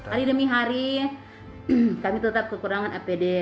hari demi hari kami tetap kekurangan apd